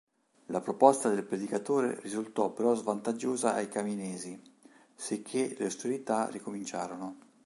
La proposta del predicatore risultò però svantaggiosa ai Caminesi, sicché le ostilità ricominciarono.